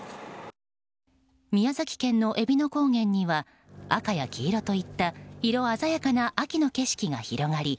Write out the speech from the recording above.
宮崎県の、えびの高原には赤や黄色といった色鮮やかな秋の景色が広がり